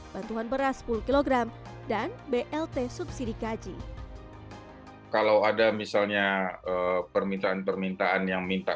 bantuan beras sepuluh kg dan blt subsidi kaji kalau ada misalnya permintaan permintaan yang minta